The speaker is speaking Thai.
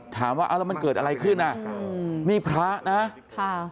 ถามว่าเอาแล้วมันเกิดอะไรขึ้นอ่ะนี่พระนะค่ะ